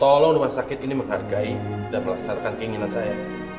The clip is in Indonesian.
tolong rumah sakit ini menghargai dan melaksanakan keinginan saya